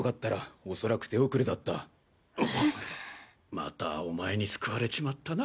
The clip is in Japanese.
またお前に救われちまったな。